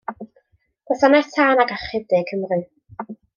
Gwasanaeth Tân ac Achub De Cymru.